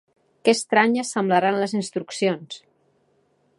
Que estranyes semblaran les instruccions!